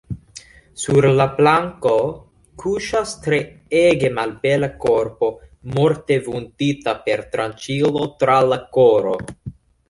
Sur la planko kuŝas treege malbela korpo, morte vundita per tranĉilo tra la koro.